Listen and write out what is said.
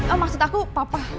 oh maksud aku papa